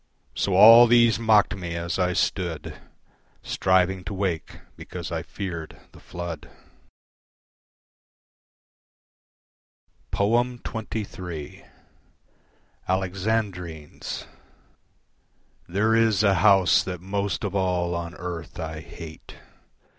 So all these mocked me as I stood Striving to wake because I feared the flood. XXIII. Alexandrines There is a house that most of all on earth I hate.